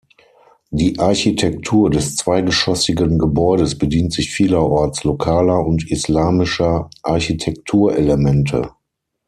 Die Architektur des zweigeschossigen Gebäudes bedient sich vielerorts lokaler und islamischer Architekturelemente.